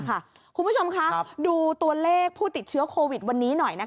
คุณผู้ชมคะดูตัวเลขผู้ติดเชื้อโควิดวันนี้หน่อย